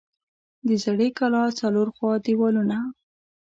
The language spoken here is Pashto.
د زړې کلا څلور خوا دیوالونه